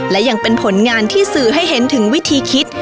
และยังเป็นผลงานที่สื่อให้เห็นถึงวิธีคิด